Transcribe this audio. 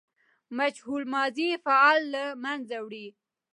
مجهول ماضي فاعل له منځه وړي.